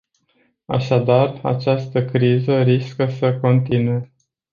Așadar, această criză riscă să continue.